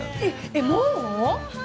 えっ、もう？